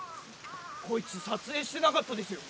こいつ撮影してなかったですよ。